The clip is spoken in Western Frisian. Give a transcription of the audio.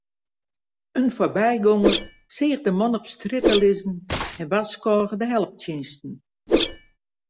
In foarbygonger seach de man op strjitte lizzen en warskôge de helptsjinsten.